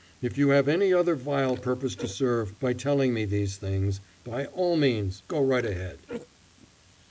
If you have any other vile purpose to serve by telling me these things, by all means go right ahead."